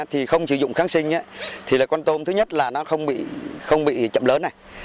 thì không sử dụng kháng sinh thì là con tôm thứ nhất là nó không bị chậm lớn này